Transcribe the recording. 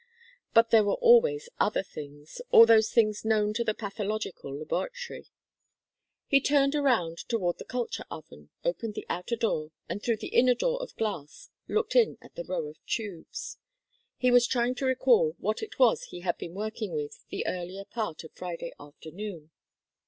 But there were always other things all those things known to the pathological laboratory. He turned around toward the culture oven, opened the outer door and through the inner door of glass looked in at the row of tubes. He was trying to recall what it was he had been working with the earlier part of Friday afternoon.